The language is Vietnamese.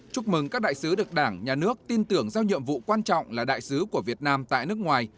chúc mừng các đại sứ được đảng nhà nước tin tưởng giao nhiệm vụ quan trọng là đại sứ của việt nam tại nước ngoài